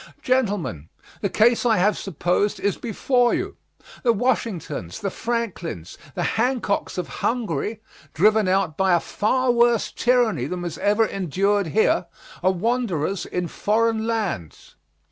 Gentlemen, the case I have supposed is before you. The Washingtons, the Franklins, the Hancocks of Hungary, driven out by a far worse tyranny than was ever endured here, are wanderers in foreign lands.